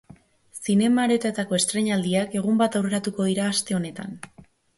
Zinema-aretoetako esetreinaldiak egun bat aurreratuko dira aste honetan.